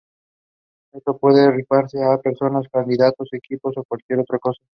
Esto puede referirse a: personas, candidatos, equipos, o cualquier otra cosa.